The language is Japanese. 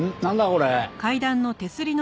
これ。